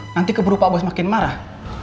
nanti keburu pak bos makin marah